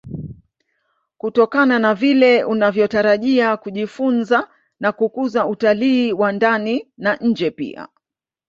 kutokana na vile unavyotarajia kujifunza na kukuza utalii wa ndani na nje pia